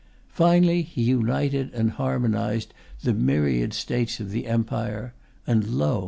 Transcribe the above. Finally, he united and harmonized the myriad States of the empire; and lo!